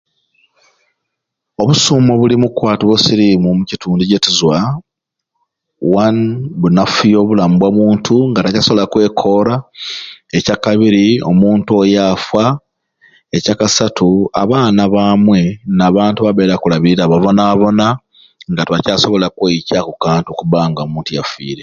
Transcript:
Obusuume obuli omukukwatibwa osirimu omu kitundu gyetuza one bunafuya obulamu bwa muntu nga takyasobola kwekora ekyakabiri omuntu oyo afa ekyakasatu abaana bamwei nabantu babeire akulabira babonabona nga tebakyasobola kwekyaku kantu kubanga omuntu yafiire